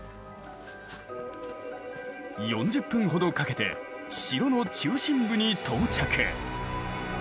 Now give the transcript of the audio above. ４０分ほどかけて城の中心部に到着。